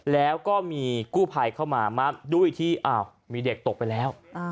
แล้วก็มีกู้ภัยเข้ามามาด้วยที่มีเด็กตกไปแล้ว